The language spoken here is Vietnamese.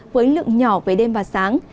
với lượng nhỏ về đêm và sáng